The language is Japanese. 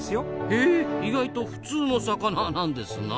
へえ意外と普通の魚なんですな。